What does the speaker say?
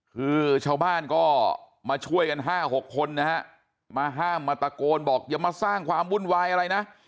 คือชาวบ้านก็มาช่วยกัน๕๖คนนะฮะมาห้ามมาตะโกนบอกอย่ามาสร้างความวุ่นวายอะไรนะ